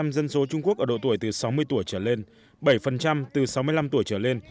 một mươi dân số trung quốc ở độ tuổi từ sáu mươi tuổi trở lên bảy từ sáu mươi năm tuổi trở lên